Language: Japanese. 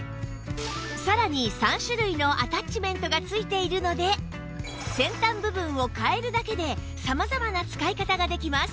さらに３種類のアタッチメントが付いているので先端部分を替えるだけで様々な使い方ができます